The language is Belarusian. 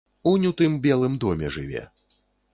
Унь у тым белым доме жыве.